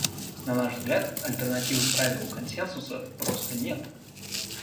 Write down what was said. На наш взгляд, альтернативы правилу консенсуса просто нет.